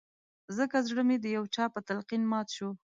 ځکه زړه مې د يو چا په تلقين مات شو